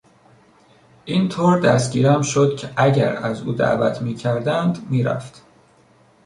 این طور دستگیرم شد که اگر از او دعوت میکردند میرفت.